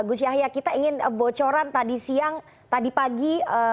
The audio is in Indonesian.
gus yahya kita ingin bocoran tadi siang tadi pagi